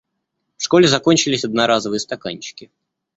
В школе закончились одноразовые стаканчики.